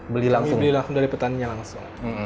beli langsung dari petani langsung